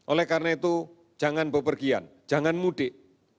oleh karena itu jangan bepergian jangan mudik